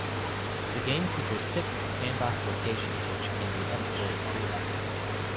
The game features six sandbox locations which can be explored freely.